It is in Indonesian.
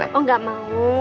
um enggak mau